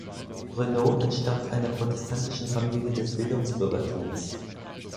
Renaud entstammt einer protestantischen Familie des Bildungsbürgertums.